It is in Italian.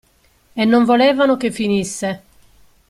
E non volevano che finisse.